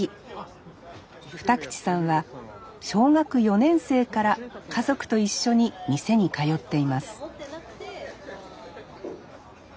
二口さんは小学４年生から家族と一緒に店に通っています